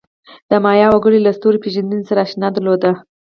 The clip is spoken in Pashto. د مایا وګړو له ستوري پېژندنې سره آشنایي درلوده.